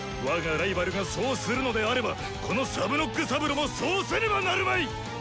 我がライバルがそうするのであればこのサブノック・サブロもそうせねばなるまい！